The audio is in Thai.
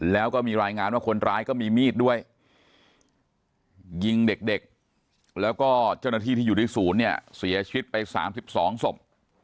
แล้วก็มีรายงานว่าคนร้ายก็มีมีดด้วยยิงเด็กแล้วก็เจ้าหน้าที่ที่อยู่ที่ศูนย์เนี่ยเสียชีวิตไป๓๒ศพ